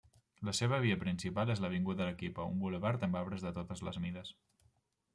La seva via principal és l'Avinguda Arequipa, un bulevard amb arbres de totes les mides.